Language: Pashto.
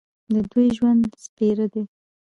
د دوی ژوند سپېره دی.